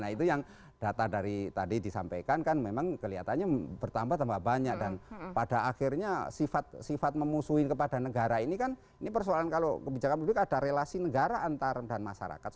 nah itu yang data dari tadi disampaikan kan memang kelihatannya bertambah tambah banyak dan pada akhirnya sifat sifat memusuhin kepada negara ini kan ini persoalan kalau kebijakan publik ada relasi negara antar dan masyarakat